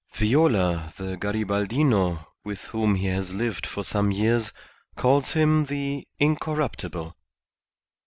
"Viola, the Garibaldino, with whom he has lived for some years, calls him the Incorruptible."